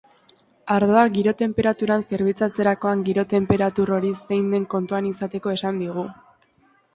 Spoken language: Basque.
Ardoa giro tenperaturan zerbitzatzerakoan giro tenperatur hori zein den kontuan izateko esan digu.